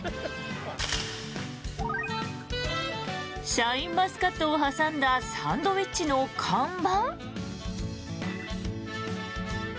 シャインマスカットを挟んだサンドイッチの看板？